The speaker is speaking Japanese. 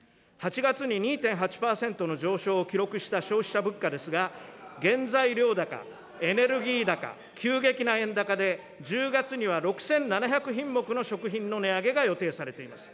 ８月に２．８％の上昇を記録した消費者物価ですが、原材料高、エネルギー高、急激な円高で、１０月には６７００品目の食品の値上げが予定されています。